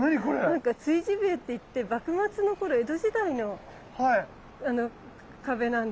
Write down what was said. なんか築地塀っていって幕末の頃江戸時代の壁なんですって。